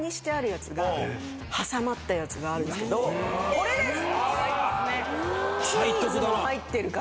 これです！